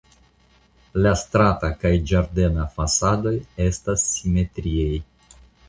La strata kaj ĝardena fasadoj estas simetriaj.